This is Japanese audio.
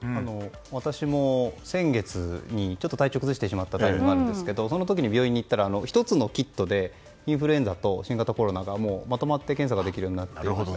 私も先月にちょっと体調を崩してしまったんですがその時に病院に行ったら１つのキットでインフルエンザと新型コロナがまとまって検査できるようになっていました。